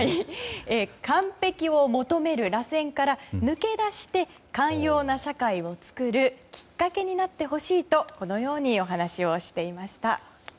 完璧を求めるらせんから抜け出して寛容な社会を作るきっかけになってほしいとこのようにお話をしていました。